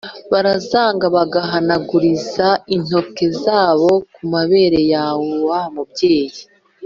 barazaga bagahanaguriza intoke zabo ku mabere ya wa mubyeyi